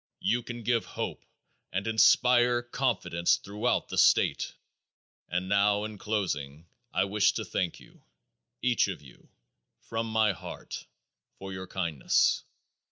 You can give hope and inspire confidence throughout the state. And now in closing, I wish to thank you, each of you, from my heart, for your kindness.